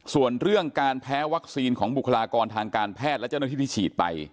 ส่วนเรื่องการแพ้วัคซีนของบุคลากรทางการแพทย์และเจ้าหน้าที่ที่ฉีดไป